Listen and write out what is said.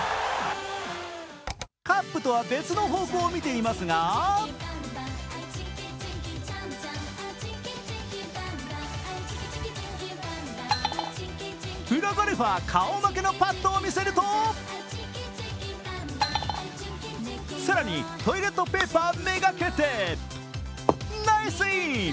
カップとは別の方向を見ていますがプロゴルファー顔負けのパットを見せると更に、トイレットペーパー目がけてナイスイン！